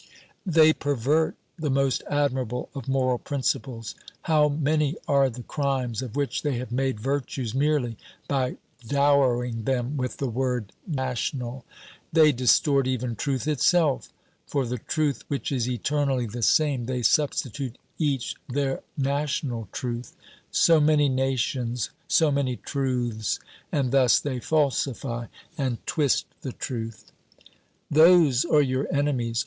They pervert the most admirable of moral principles. How many are the crimes of which they have made virtues merely by dowering them with the word "national"? They distort even truth itself. For the truth which is eternally the same they substitute each their national truth. So many nations, so many truths; and thus they falsify and twist the truth. Those are your enemies.